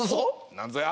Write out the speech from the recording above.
何ぞや？